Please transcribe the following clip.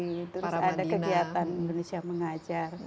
terus ada kegiatan indonesia mengajar